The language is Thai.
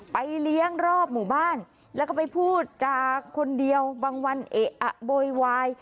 เลี้ยงรอบหมู่บ้านแล้วก็ไปพูดจากคนเดียวบางวันเอะอะโวยวาย